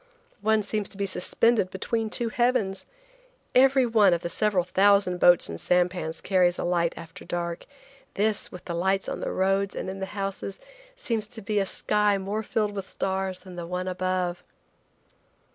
One seems to be suspended between two heavens. Every one of the several thousand boats and sampans carries a light after dark. This, with the lights on the roads and in the houses, seems to be a sky more filled with stars than the one above.